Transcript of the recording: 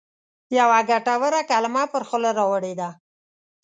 یوه ګټوره کلمه پر خوله راوړې ده.